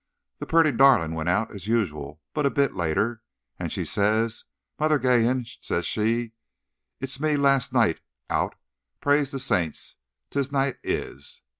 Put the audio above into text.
The purty darlin' wint out, as usual, but a bit later. And she says: 'Mother Geehan,' says she, 'it's me last noight out, praise the saints, this noight is!